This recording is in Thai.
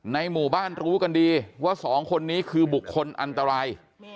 ในหมู่บ้านรู้กันดีว่าสองคนนี้คือบุคคลอันตราย